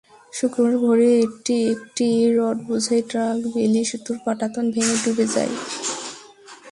শুক্রবার ভোরে একটি রডবোঝাই ট্রাক বেইলি সেতুর পাটাতন ভেঙে ডুবে যায়।